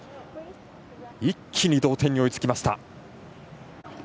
一気に同点に追いつきました。